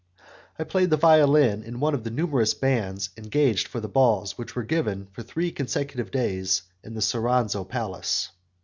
I played the violin in one of the numerous bands engaged for the balls which were given for three consecutive days in the Soranzo Palace.